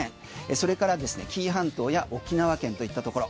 それから紀伊半島や沖縄県といったところ。